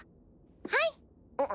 はい。